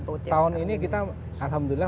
oh tahun ini kita alhamdulillah